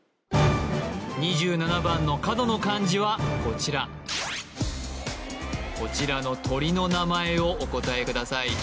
２７番の角の漢字はこちらこちらの鳥の名前をお答えください